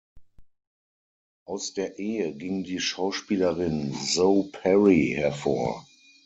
Aus der Ehe ging die Schauspielerin Zoe Perry hervor.